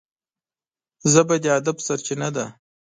ژبه د ادب سرچینه ده